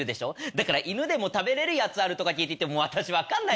だから「犬でも食べれるやつある？」とか聞いてきて私分かんない。